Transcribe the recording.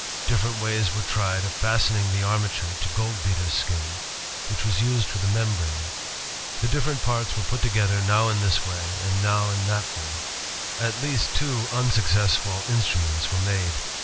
Different ways were tried of fasten ing the armature to goldbeater's skin, which was used for the membrane. The different parts were put together now in this way and now in that way. At least two unsuccessful instruments were made.